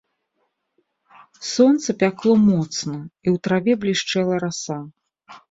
Сонца пякло моцна, і ў траве блішчэла раса.